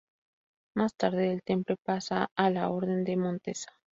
Más tarde del Temple pasa a la Orden de Montesa.